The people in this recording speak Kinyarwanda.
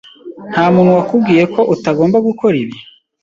Ntamuntu wakubwiye ko utagomba gukora ibi?